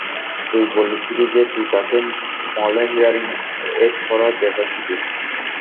তুই-ই বলেছিলি যে তুই তাকে মলে হিয়ারিং এইড পরা দেখেছিলি।